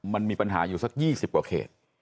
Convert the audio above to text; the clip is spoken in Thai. มันมีปัญหาอยู่สักอยี่สิบกว่าเคส